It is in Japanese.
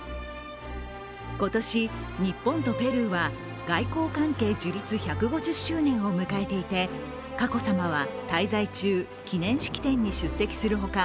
今年、日本とペルーは外交関係樹立１５０周年を迎えていて、佳子さまは滞在中、記念式典に出席するほか